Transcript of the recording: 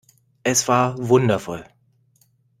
Es war wundervoll.